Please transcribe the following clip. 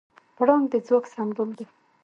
پړانګ د ځواک سمبول دی.